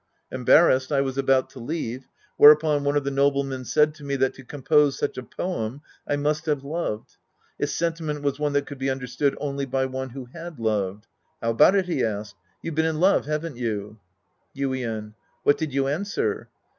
Embarrassed, I was about to leave. Whereupon one of the noblemen said to me that to compose such a poem I must have loved. Its senti ment was one that could be understood only by one who had loved. " How about it ?" he asked. " You've been in love/ haven't you ?" Yuien. What did you answer